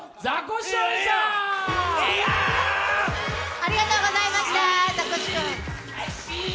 ありがとうございました、ザコシ君。